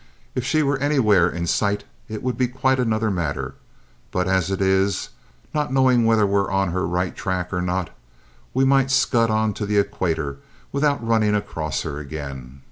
If she were anywhere in sight it would be quite another matter; but, as it is, not knowing whether we're on her right track or not, we might scud on to the Equator without running across her again.